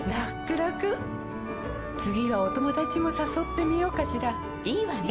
らくらくはお友達もさそってみようかしらいいわね！